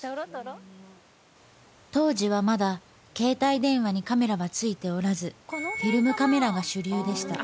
撮ろ撮ろ当時はまだ携帯電話にカメラはついておらずフィルムカメラが主流でした